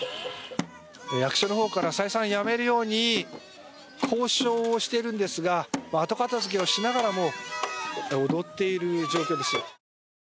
役所のほうから再三やめるように交渉をしているんですが後片付けをしながらも踊っている状況です。